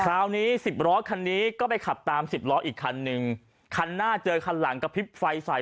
คราวนี้สิบล้อคันนี้ก็ไปขับตามสิบล้ออีกคันนึงคันหน้าเจอคันหลังกระพริบไฟใส่